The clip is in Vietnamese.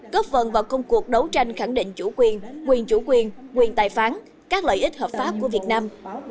góp phần vào công cuộc đấu tranh khẳng định chủ quyền quyền chủ quyền quyền tài phán các lợi ích hợp pháp của việt nam